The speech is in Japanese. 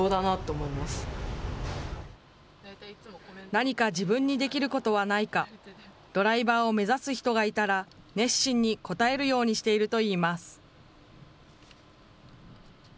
何か自分にできることはないか、ドライバーを目指す人がいたら、熱心に答えるようにしているといいます。